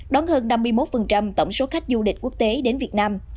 đón hơn năm mươi một tổng số khách du lịch quốc tế đến việt nam